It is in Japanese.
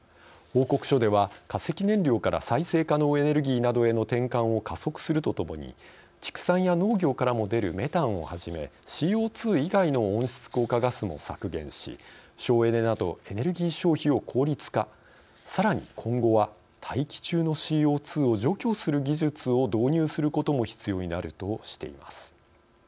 報告書では、化石燃料から再生可能エネルギーなどへの転換を加速するとともに畜産や農業からも出るメタンをはじめ、ＣＯ２以外の温室効果ガスも削減し省エネなどエネルギー消費を効率化さらに今後は大気中のＣＯ２を除去する技術を導入することも必要になるとしています。